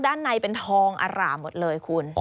ด้านในเป็นทองอร่าหมดเลยคุณ